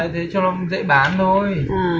thế cho nó dễ bán thôi